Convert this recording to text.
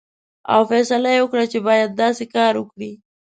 او فیصله یې وکړه چې باید داسې کار وکړي.